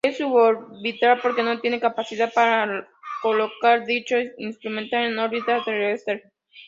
Es suborbital porque no tiene capacidad para colocar dicho instrumental en órbita terrestre.